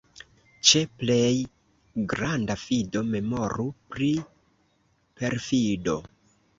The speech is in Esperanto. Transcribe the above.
Ĉe plej granda fido memoru pri perfido.